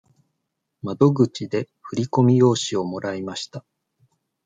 窓口で振り込み用紙をもらいました。